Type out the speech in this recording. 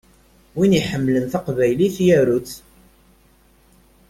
Win iḥemmlen taqbaylit yaru-tt!